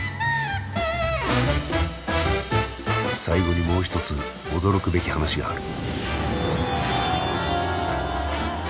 最後にもう一つ驚くべき話がある。